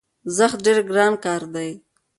زښت ډېر ګران کار دی،